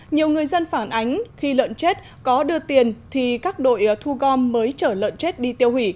nhiều người dân phản ánh khi lợn chết có đưa tiền thì các đội thu gom mới chở lợn chết đi tiêu hủy